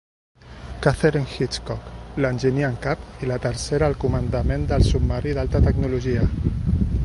Katherine Hitchcock, l'enginyer en cap, i la tercera al comandament del submarí d'alta tecnologia.